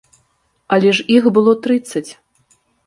Але ж іх было трыццаць.